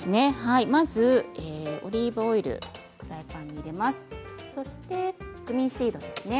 まずオリーブオイルを中に入れます。